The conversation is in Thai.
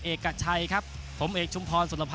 เอกกับชัยครับผมเอกชุมพรสุนภัทรจารุมณีครับ